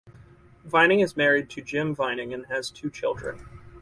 Vining is married to Jim Vining and has two children.